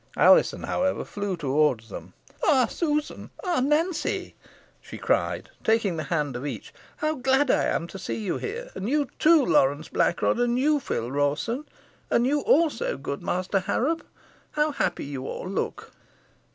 Alizon, however, flew towards them. "Ah, Susan! ah, Nancy!" she cried taking the hand of each "how glad I am to see you here; and you too, Lawrence Blackrod and you, Phil Rawson and you, also, good Master Harrop. How happy you all look!"